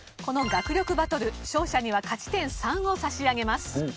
この学力バトル勝者には勝ち点３を差し上げます。